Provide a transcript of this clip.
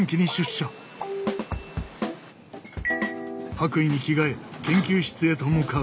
白衣に着替え研究室へと向かう。